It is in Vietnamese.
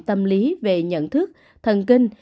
tâm lý về nhận thức thần kinh